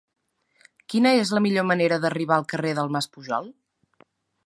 Quina és la millor manera d'arribar al carrer del Mas Pujol?